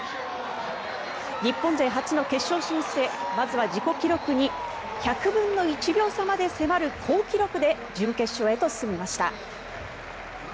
日本勢初の決勝進出へまずは自己記録に１００分の１秒差に迫る好記録で準決勝へと進みました。